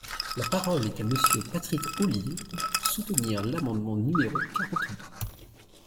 La parole est à Monsieur Patrick Ollier, pour soutenir l’amendement numéro quarante-deux.